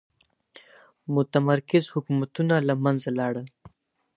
متمرکز حکومتونه له منځه لاړل.